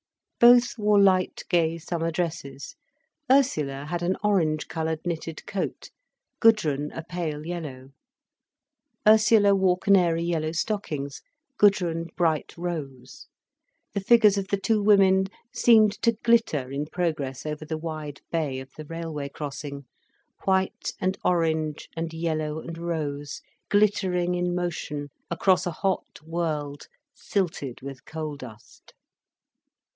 Both wore light, gay summer dresses, Ursula had an orange coloured knitted coat, Gudrun a pale yellow, Ursula wore canary yellow stockings, Gudrun bright rose, the figures of the two women seemed to glitter in progress over the wide bay of the railway crossing, white and orange and yellow and rose glittering in motion across a hot world silted with coal dust.